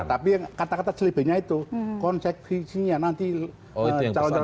tapi kata kata selebihnya itu konseksisinya nanti calon calon anggota akan dicari